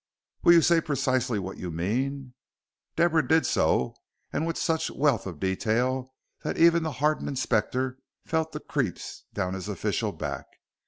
"Will you say precisely what you mean?" Deborah did so, and with such wealth of detail that even the hardened Inspector felt the creeps down his official back.